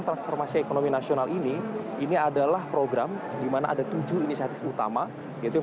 transformasi ekonomi nasional ini ini adalah program dimana ada tujuh inisiatif utama yaitu yang